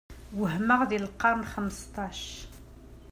Wehmeɣ deg lqern xmesṭac.